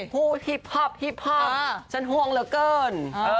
หูฮิปพอปฮิปพอปฉันห่วงเหลือเกิน